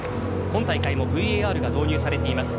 今大会もＶＡＲが導入されています。